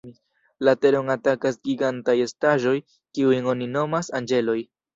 La Teron atakas gigantaj estaĵoj, kiujn oni nomas "Anĝeloj".